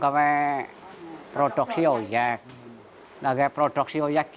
kalau dikukus tidak bisa dikukus lagi